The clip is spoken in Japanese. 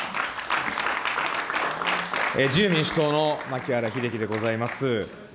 自由民主党の牧原秀樹でございます。